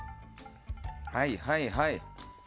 はいはいはい。